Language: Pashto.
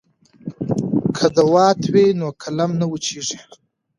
که دوات وي نو قلم نه وچیږي.